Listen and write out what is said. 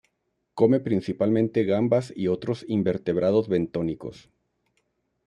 Come principalmente gambas y otros invertebrados bentónicos.